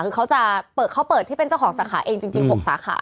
คือเขาจะเขาเปิดที่เป็นเจ้าของสาขาเองจริง๖สาขา